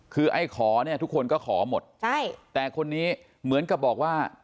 คือไอ้ขอเนี่ยทุกคนก็ขอหมดใช่แต่คนนี้เหมือนกับบอกว่า